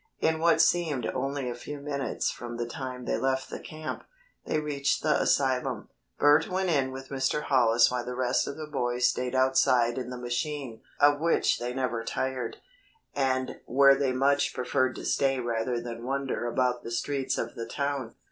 In what seemed only a few minutes from the time they left the camp, they reached the asylum. Bert went in with Mr. Hollis while the rest of the boys stayed outside in the machine of which they never tired, and where they much preferred to stay rather than wander about the streets of the town.